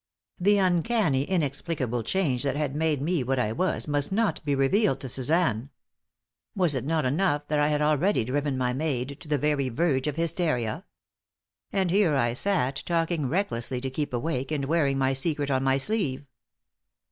The uncanny, inexplicable change that had made me what I was must not be revealed to Suzanne! Was it not enough that I had already driven my maid to the very verge of hysteria? And here I sat, talking recklessly to keep awake, and wearing my secret on my sleeve.